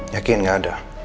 yakin nggak ada